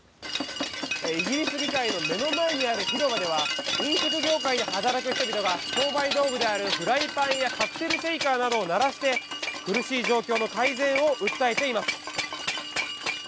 イギリス議会の目の前にある広場では飲食業界で働く人々が商売道具であるフライパンやカクテルシェーカーなどを鳴らして苦しい状況の改善を訴えています。